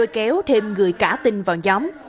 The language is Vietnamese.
kéo thêm người cả tin vào nhóm